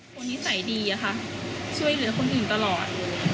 นิสัยดีอะค่ะช่วยเหลือคนอื่นตลอด